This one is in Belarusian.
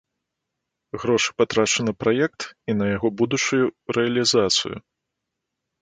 Грошы патрачу на праект і на яго будучую рэалізацыю.